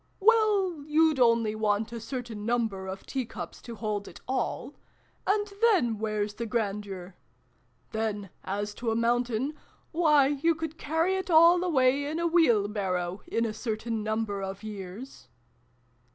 " Well, you'd only want a certain number of tea cups to hold it all. And then where's the grandeur ? Then as to a Mountain why, you could carry it all away in a wheel barrow, in a certain number of years